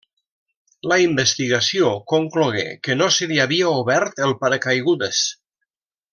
La investigació conclogué que no se li havia obert el paracaigudes.